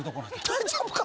大丈夫か？